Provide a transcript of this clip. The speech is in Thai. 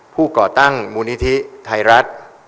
ก่อตั้งมูลนิธิไทยรัฐ